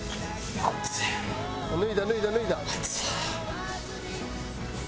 脱いだ脱いだ脱いだ。